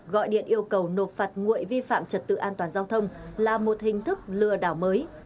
gọi điện yêu cầu nộp phạt nguội vi phạm trật tự an toàn giao thông là một hình thức lừa đảo mới